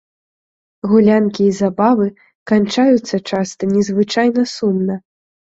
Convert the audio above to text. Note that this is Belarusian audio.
Гулянкі і забавы канчаюцца часта незвычайна сумна.